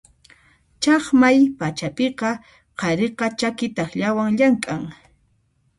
Chaqmay pachapiqa qhariqa chaki takllawan llamk'an.